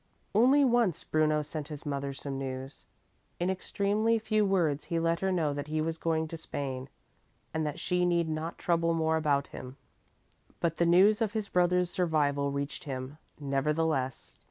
Only once Bruno sent his mother some news. In extremely few words he let her know that he was going to Spain, and that she need not trouble more about him. But the news of his brother's survival reached him, nevertheless.